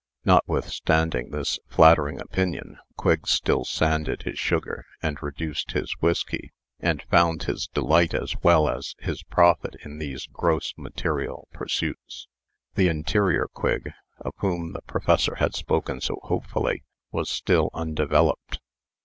Notwithstanding this flattering opinion, Quigg still sanded his sugar, and reduced his whiskey, and found his delight as well as his profit in those gross material pursuits. The interior Quigg, of whom the professor had spoken so hopefully, was still undeveloped.